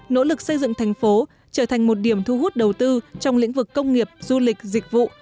nỗ lực xây dựng thành phố trở thành một điểm thu hút đầu tư trong lĩnh vực công nghiệp du lịch dịch vụ